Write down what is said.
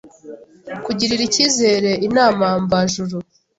Kugirira Icyizere Inama Mvajuru